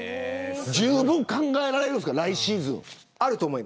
じゅうぶん考えられるんですか来シーズン。